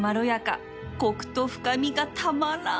コクと深みがたまらん